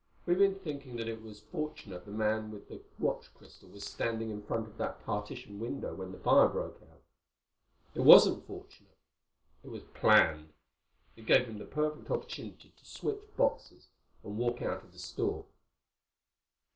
"We've been thinking that it was fortunate the man with the watch crystal was standing in front of that partition window when the fire broke out. It wasn't fortunate. It was planned. It gave him the perfect opportunity to switch boxes and walk out of the store."